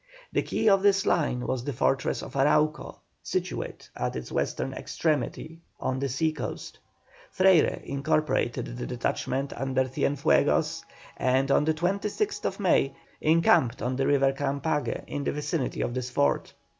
The key of this line was the fortress of Arauco, situate at its western extremity on the sea coast. Freyre incorporated the detachment under Cienfuegos, and on the 26th May encamped on the River Carampague in the vicinity of this fort.